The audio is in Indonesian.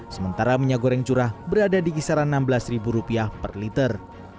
sementara minyak goreng curah berada di kisaran rp enam belas per liter